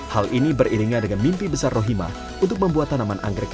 hal ini beriringan dengan mimpi besar rohimah untuk membuat tanaman yang lebih kaya